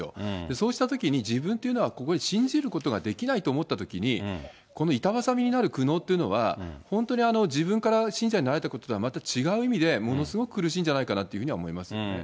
そうしたときに、自分というのはここを信じることができないと思ったときに、板挟みになる苦悩っていうのは、本当に自分から信者になられた方とはまた違う意味で、ものすごく苦しいんじゃないかなというふうに思いますね。